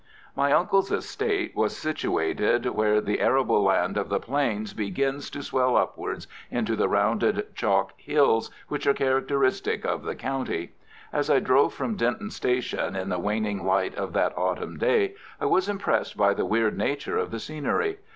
My uncle's estate was situated where the arable land of the plains begins to swell upwards into the rounded chalk hills which are characteristic of the county. As I drove from Dinton Station in the waning light of that autumn day, I was impressed by the weird nature of the scenery.